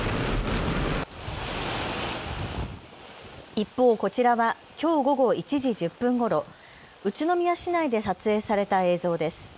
一方、こちらはきょう午後１時１０分ごろ、宇都宮市内で撮影された映像です。